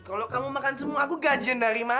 kalo kamu makan semua aku gajian dari kamu ya